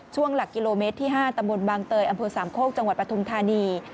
ช่วงหลักกิโลเมตรที่๕ตบบางเตยอสามโคกจปฐุมธานี